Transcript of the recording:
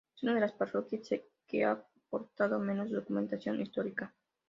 Es una de las parroquias que ha aportado menos documentación histórica.